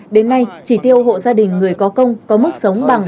đến nay chỉ tiêu hộ gia đình người có công có mức sống bằng